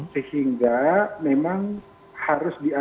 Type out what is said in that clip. sehingga memang harus diaturkan